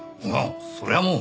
そりゃもう。